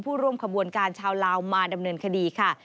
ร่วมขบวนการชาวลาวมาดำเนินคดีค่ะ